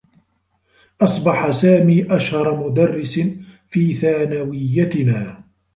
أصبح سامي أشهر مدرّس في ثانويّتنا.